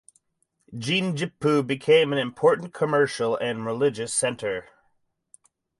Jinjipu became an important commercial and religious center.